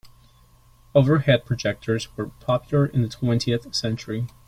Overhead projectors were popular in the twentieth century.